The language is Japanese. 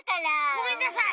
ごめんなさい！